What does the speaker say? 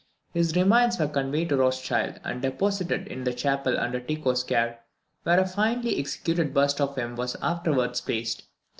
His remains were conveyed to Rothschild, and deposited in the chapel under Tycho's care, where a finely executed bust of him was afterwards placed.